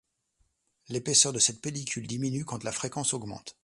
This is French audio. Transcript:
L'épaisseur de cette pellicule diminue quand la fréquence augmente.